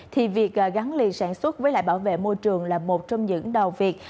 thì việc gắn liền sản xuất với lại bảo vệ môi trường là một trong những đầu việc